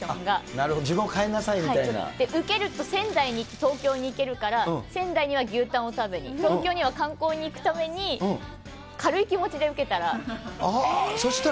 なるほど、自分を変えなさい受けると、仙台に、東京に行けるから、仙台には牛タンを食べに、東京には観光に行くために軽い気持ちで受けたら。